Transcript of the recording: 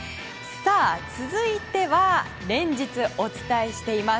続いては連日お伝えしています